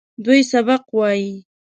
دوی سبق وايي.